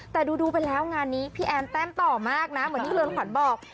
แต่ดูไปแล้วงานนี้พี่แอนแต้มต่อมากนะเหมือนที่เรือนขวัญบอก